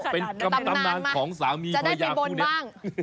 เป็นตำนานของสามีภรรยากูเนี่ยจะได้ไปบนบ้าง